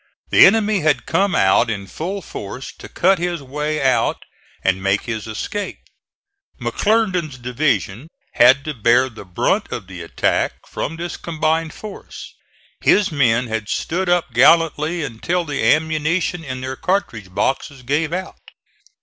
The enemy had come out in full force to cut his way out and make his escape. McClernand's division had to bear the brunt of the attack from this combined force. His men had stood up gallantly until the ammunition in their cartridge boxes gave out.